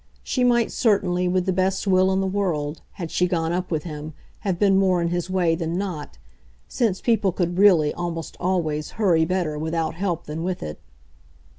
She might certainly, with the best will in the world, had she gone up with him, have been more in his way than not, since people could really, almost always, hurry better without help than with it.